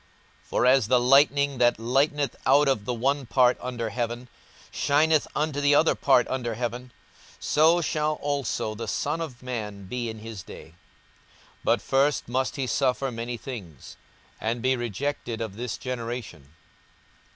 42:017:024 For as the lightning, that lighteneth out of the one part under heaven, shineth unto the other part under heaven; so shall also the Son of man be in his day. 42:017:025 But first must he suffer many things, and be rejected of this generation.